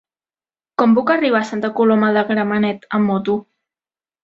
Com puc arribar a Santa Coloma de Gramenet amb moto?